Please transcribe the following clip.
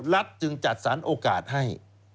รัฐจึงจัดสรรโอกาสให้